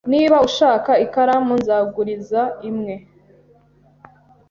Niba ushaka ikaramu, nzaguriza imwe